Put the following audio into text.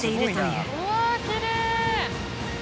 うわきれい！